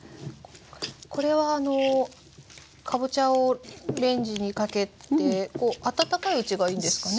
これはかぼちゃをレンジにかけて温かいうちがいいんですかね。